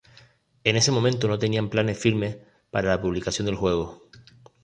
En ese momento, no tenían planes firmes para la publicación del juego.